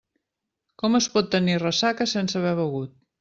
Com es pot tenir ressaca sense haver begut?